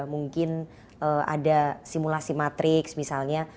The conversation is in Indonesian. mungkin ada simulasi matrix misalnya